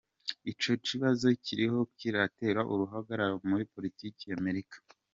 Ico kibazo kiriko kiratera uruhagarara muri politike ya Amerika.